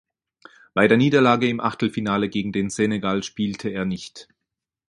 Bei der Niederlage im Achtelfinale gegen den Senegal spielte er nicht.